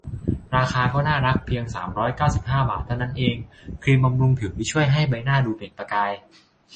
ราคาก็น่ารักเพียง สามร้อยเก้าสิบห้า บาท เท่านั้นเอง ครีมบำรุงผิวที่ช่วยให้ใบหน้าดูเปล่งประกาย